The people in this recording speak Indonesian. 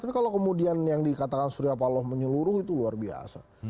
tapi kalau kemudian yang dikatakan surya paloh menyeluruh itu luar biasa